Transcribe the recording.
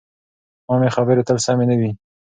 عامې خبرې تل سمې نه وي.